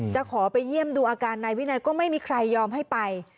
จะขอไปเยี่ยมดูอาการนายวินัยก็ไม่มีใครยอมให้ไป